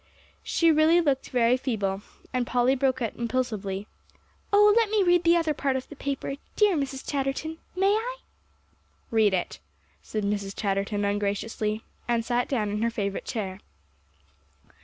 She really looked very feeble, and Polly broke out impulsively, "Oh, let me read the other part of the paper, dear Mrs. Chatterton. May I?" "Read it," said Mrs. Chatterton ungraciously, and sat down in her favorite chair.